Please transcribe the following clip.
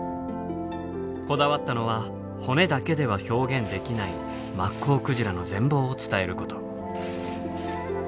こだわったのは骨だけでは表現できないマッコウクジラの全貌を伝えること。